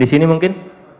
di sini mungkin